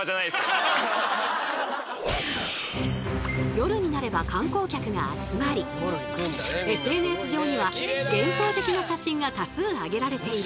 夜になれば観光客が集まりＳＮＳ上には幻想的な写真が多数上げられている工場の夜景！